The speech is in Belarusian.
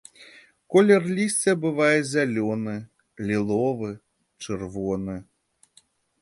Колер лісця бывае зялёны, ліловы-чырвоны.